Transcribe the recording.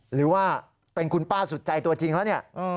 หรือว่าเป็นคุณป้าสุดใจตัวจริงแล้วเนี่ย